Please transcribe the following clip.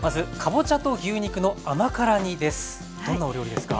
まずどんなお料理ですか？